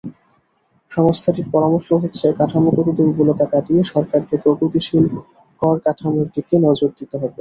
সংস্থাটির পরামর্শ হচ্ছে, কাঠামোগত দুর্বলতা কাটিয়ে সরকারকে প্রগতিশীল করকাঠামোর দিকে নজর দিতে হবে।